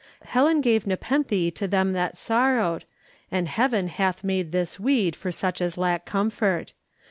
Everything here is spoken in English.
Helen gave Nepenthe to them that sorrowed, and Heaven hath made this weed for such as lack comfort.